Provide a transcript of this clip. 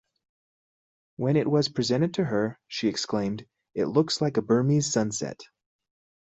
When it was presented to her, she exclaimed, It looks like a Burmese sunset.